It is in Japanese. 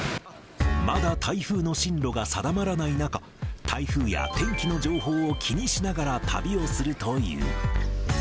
まだ台風の進路が定まらない中、台風や天気の情報を気にしながら旅をするという。